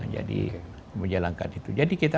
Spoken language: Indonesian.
jadi menjalankan itu jadi kita